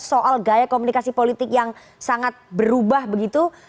soal gaya komunikasi politik yang sangat berubah begitu